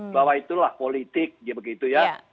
bahwa itulah politik gitu ya